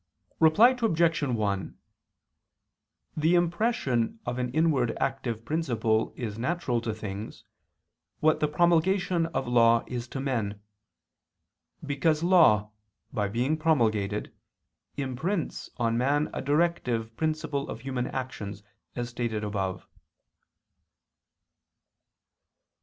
Reply Obj. 1: The impression of an inward active principle is to natural things, what the promulgation of law is to men: because law, by being promulgated, imprints on man a directive principle of human actions, as stated above.